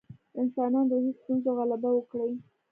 انسانان روحي ستونزو غلبه وکړي.